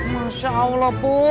masya allah bu